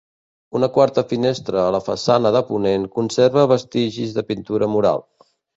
Una quarta finestra, a la façana de ponent, conserva vestigis de pintura mural.